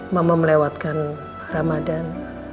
mama melewatkan ramadhan